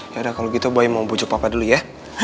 yaudah kalau gitu boy mau bocok papa dulu ya